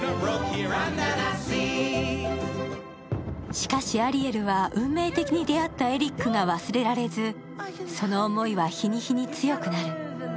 しかし、アリエルは運命的に出会ったエリックが忘れられず、その思いは日に日に強くなる。